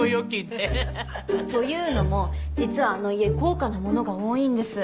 というのも実はあの家高価なものが多いんです。